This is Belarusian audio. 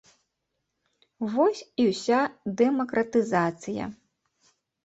Вось і ўся дэмакратызацыя.